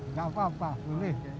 nggak apa apa boleh